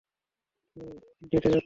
তুমি ডেটে যাচ্ছো।